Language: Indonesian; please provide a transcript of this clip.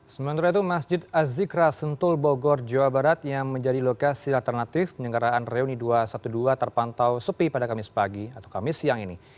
sementara itu masjid azikra sentul bogor jawa barat yang menjadi lokasi alternatif penyelenggaraan reuni dua ratus dua belas terpantau sepi pada kamis pagi atau kami siang ini